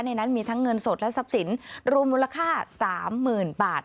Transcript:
นั้นมีทั้งเงินสดและทรัพย์สินรวมมูลค่า๓๐๐๐บาท